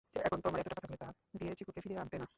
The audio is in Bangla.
এখন তমার এতো টাকা থাকলে, তা দিয়ে চিকুকে ফিরিয়ে আনতে না?